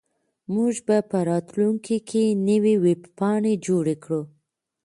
موږ به په راتلونکي کې نوې ویبپاڼې جوړې کړو.